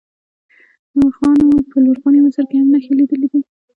مورخانو په لرغوني مصر کې هم نښې لیدلې دي.